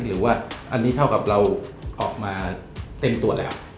หรือว่าอันนี้เท่ากับเราออกมาเต็มตัวแล้ว